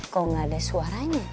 kok gak ada suaranya